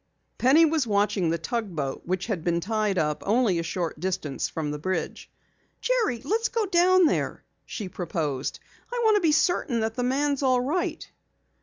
Penny was watching the tugboat which had been tied up only a short distance from the bridge. "Jerry, let's go down there," she proposed. "I want to be certain that man is all right."